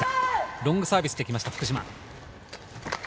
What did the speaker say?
ロングサービスで来ました福島。